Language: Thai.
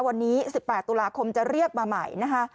วันนี้๑๘ตุลาคมจะเรียกมาใหม่นะคะ